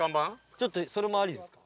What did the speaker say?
ちょっとそれもありですか？